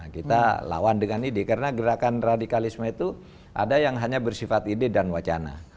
kita lawan dengan ide karena gerakan radikalisme itu ada yang hanya bersifat ide dan wacana